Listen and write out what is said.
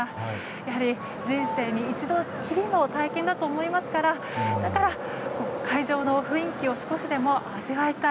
やはり人生に一度きりの体験だと思いますからだから、会場の雰囲気を少しでも味わいたい。